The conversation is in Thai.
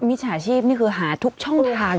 มิจฉาชีพนี่คือหาทุกช่องทาง